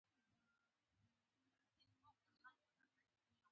ایا ستاسو ځواني په نیکۍ تیره شوه؟